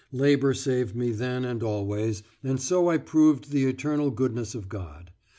Labour saved me then and always, and so I proved the eternal goodness of God.